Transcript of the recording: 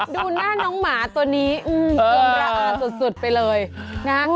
ดูหน้าน้องหมาตัวนี้เอือมระอาสุดไปเลยนะ